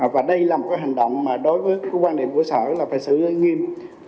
và đây là một cái hành động mà đối với quan điểm của sở là phải xử nghiêm